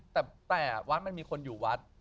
แต่วัดมันมีคนอยู่วัด